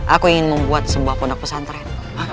aku ingin membuat sebuah pondok pesantren